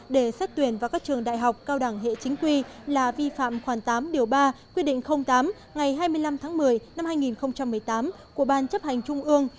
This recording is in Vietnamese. để xét tuyển vào các trường đại học cao đẳng hệ chính quy là vi phạm khoảng tám điều ba quy định tám ngày hai mươi năm tháng một mươi năm hai nghìn một mươi tám của ban chấp hành trung ương